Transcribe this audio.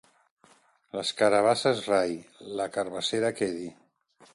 Les carabasses rai, la carabassera quedi.